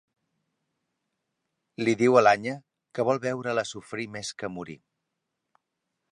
Li diu a l'Anya que vol veure-la sofrir més que morir.